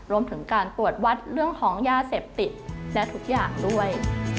รวมถึงการตรวจวัดเรื่องของยาเสพติดและทุกอย่างด้วย